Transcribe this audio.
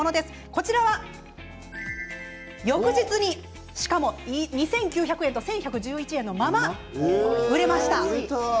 こちらは翌日に、しかも２９００円と１１１１円のまま売れました。